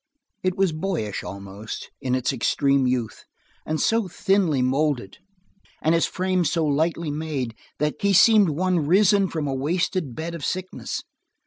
It was boyish, almost, in its extreme youth, and so thinly molded, and his frame so lightly made, that he seemed one risen from a wasting bed of sickness.